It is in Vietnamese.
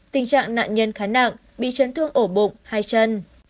tình trạng nạn nhân khá nặng bị chấn thương ổ bụng hai chân